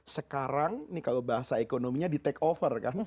sekarang kalau bahasa ekonominya di take over